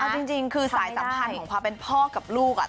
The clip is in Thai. เอาจริงคือสายสัมพันธ์ของความเป็นพ่อกับลูก